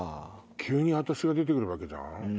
急に私が出てくるわけじゃん。